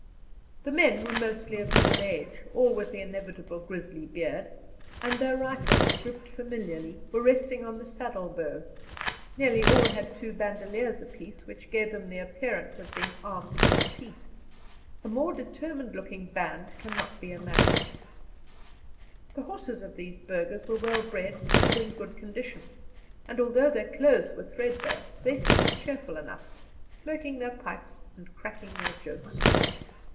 The men were mostly of middle age, all with the inevitable grizzly beard, and their rifles, gripped familiarly, were resting on the saddle bow; nearly all had two bandoliers apiece, which gave them the appearance of being armed to the teeth a more determined looking band cannot be imagined. The horses of these burghers were well bred and in good condition, and, although their clothes were threadbare, they seemed cheerful enough, smoking their pipes and cracking their jokes.